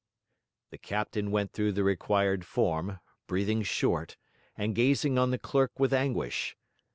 The captain went through the required form, breathing short, and gazing on the clerk with anguish.